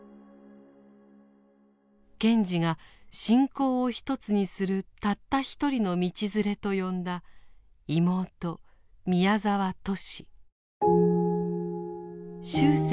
賢治が「信仰を一つにするたったひとりのみちづれ」と呼んだ妹終生「